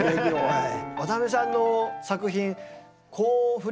はい。